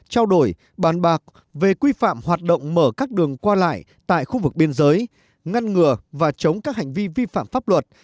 trao đổi bàn bạc về quy phạm hoạt động mở các đường qua lại tại khu vực biên giới ngăn ngừa và chống các hành vi vi phạm pháp luật